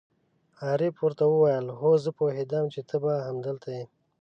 عارف ور ته وویل: هو، زه پوهېدم چې ته به همدلته یې.